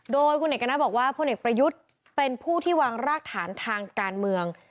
โดยคุณเอกณะบอกว่าพลเอกประยุทธ์เป็นผู้ที่วางรากฐานทางการเมือง